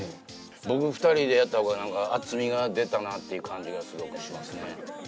僕、２人でやったほうが、なんか厚みが出たなって感じがするんで、すごくしますね。